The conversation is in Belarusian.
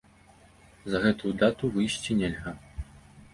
За гэтую дату выйсці нельга.